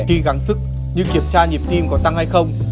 khi gắng sức như kiểm tra nhiệm tim có tăng hay không